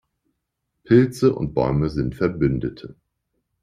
Pilze und Bäume sind Verbündete.